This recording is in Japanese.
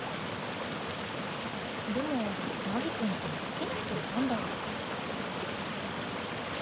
でも凪くんって好きな人いたんだ。